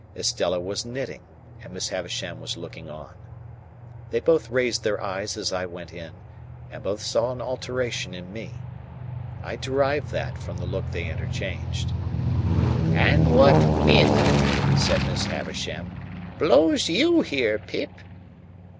Estella was knitting, and Miss Havisham was looking on. They both raised their eyes as I went in, and both saw an alteration in me. I derived that, from the look they interchanged. "And what wind," said Miss Havisham, "blows you here, Pip?"